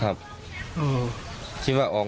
ร้านของรัก